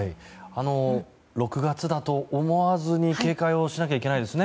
６月だと思わずに警戒をしなきゃいけないですね。